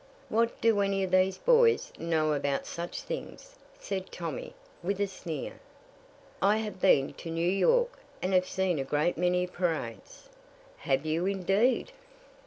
What do any of these boys know about such things!" said Tommy, with a sneer. "I have been to New York, and have seen a great many parades." "Have you, indeed?"